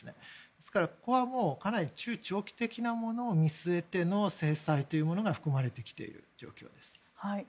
ですから、ここはもうかなり中長期的なものを見据えての制裁というものが含まれてきている状況です。